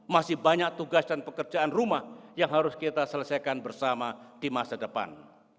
masih banyak tugas dan pekerjaan rumah yang harus kita selesaikan bersama di masa depan